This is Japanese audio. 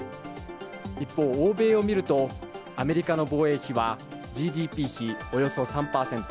一方、欧米を見るとアメリカの防衛費はＧＤＰ比およそ３％。